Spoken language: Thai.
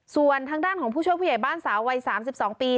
ส่วนทางด้านของผู้ช่วยผู้ใหญ่บ้านสาววัย๓๒ปี